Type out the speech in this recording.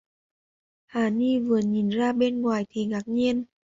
Hà ni vừa nhìn ra bên ngoài thì ngạc nhiên